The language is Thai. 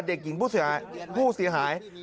เด็กหญิงผู้เสียหาย